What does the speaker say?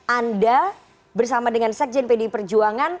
anda bersama dengan sekjen pdi perjuangan